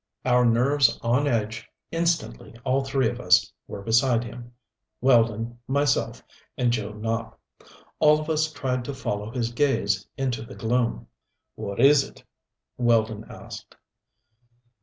Our nerves on edge, instantly all three of us were beside him Weldon, myself, and Joe Nopp. All of us tried to follow his gaze into the gloom. "What is it?" Weldon asked.